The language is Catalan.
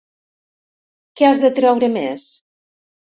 ¿Que has de treure més?